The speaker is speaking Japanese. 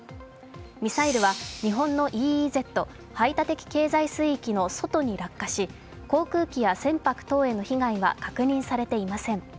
ミサイルは日本のＥＥＺ＝排他的経済水域の外に落下し、航空機や船舶等への被害は確認されていません。